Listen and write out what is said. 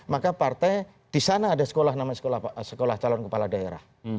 maka partai di sana ada sekolah namanya sekolah calon kepala daerah